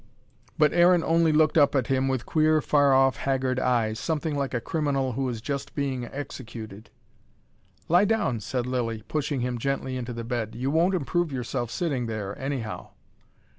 But Aaron only looked up at him with queer, far off, haggard eyes, something like a criminal who is just being executed. "Lie down!" said Lilly, pushing him gently into the bed. "You won't improve yourself sitting there, anyhow."